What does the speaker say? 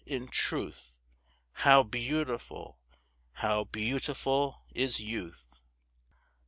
in truth, How beautiful, how beautiful is youth!